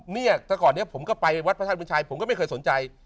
เนี่ยแต่ก่อนนี้ผมก็ไปวัดพระธาตุวิชัยผมก็ไม่เคยสนใจ